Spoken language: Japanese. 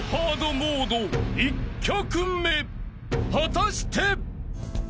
［果たして！］